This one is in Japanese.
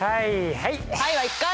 「はい」は１回！